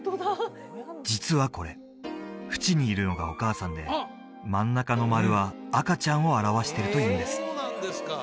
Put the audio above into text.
実はこれ縁にいるのがお母さんで真ん中の丸は赤ちゃんを表してるというんです